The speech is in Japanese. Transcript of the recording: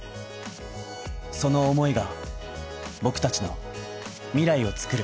その思いが僕達の未来をつくる